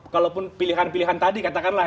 kalaupun pilihan pilihan tadi katakanlah